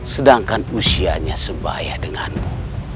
sedangkan usianya sebaya denganmu